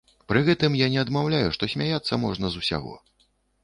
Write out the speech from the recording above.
Пры гэтым я не адмаўляю, што смяяцца можна з усяго.